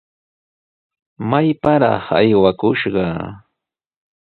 ¡Mayparaq aywakushqa!